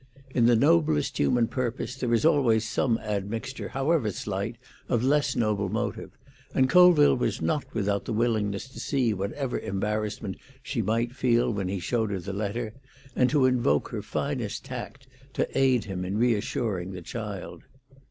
In the noblest human purpose there is always some admixture, however slight, of less noble motive, and Colville was not without the willingness to see whatever embarrassment she might feel when he showed her the letter, and to invoke her finest tact to aid him in re assuring the child.